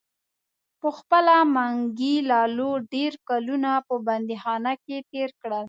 پخپله منګي لالو ډیر کلونه په بندیخانه کې تیر کړل.